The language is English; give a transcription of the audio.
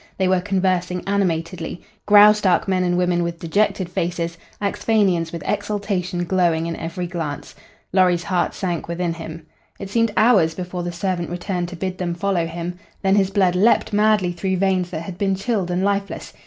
They were conversing animatedly, Graustark men and women with dejected faces, Axphainians with exultation glowing in every glance. Lorry's heart sank within him. It seemed hours before the servant returned to bid them follow him. Then his blood leaped madly through veins that had been chilled and lifeless.